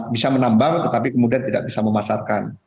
bisa menambang tetapi kemudian tidak bisa memasarkan